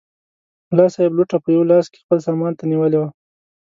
ملا صاحب لوټه په یوه لاس کې خپل سامان ته نیولې وه.